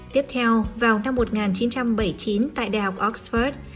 tiếp theo vào năm một nghìn chín trăm bảy mươi chín tại đại học oxford